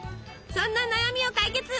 そんな悩みを解決！